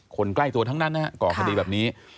คนใกล้ตัวทั้งนั้นนะฮะก่อคดีแบบนี้